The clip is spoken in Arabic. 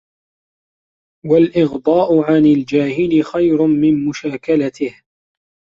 وَالْإِغْضَاءُ عَنْ الْجَاهِلِ خَيْرٌ مِنْ مُشَاكَلَتِهِ